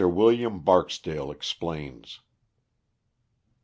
William Barksdale Explains.